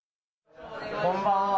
こんばんは。